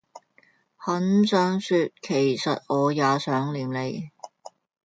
很想說其實我也想念你